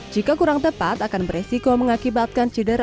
jika kurang tepat akan beresiko mengakibatkan cedera